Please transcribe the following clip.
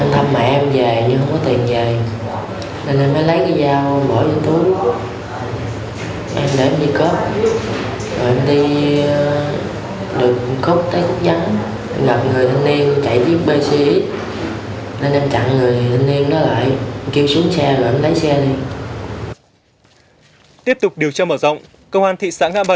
tiếp tục điều tra mở rộng công an thị xã ngã bảy và công an huyện phung hiệp bắt được đối tượng lê văn khánh